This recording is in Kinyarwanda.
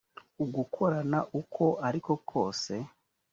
ugukorana uko ari ko kose